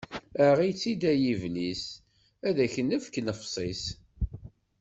Aɣ-itt-id a yiblis, ad ak-nefk nnefṣ-is!